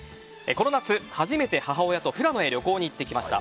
この夏、初めて母親と富良野へ旅行へ行ってきました。